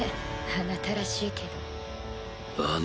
あなたらしいけど。